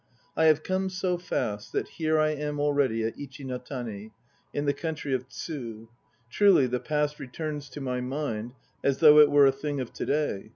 I have come so fast that here I am already at Ichi no Tani, in the country of Tsu. Truly the past returns to my mind as though it were a thing of to day.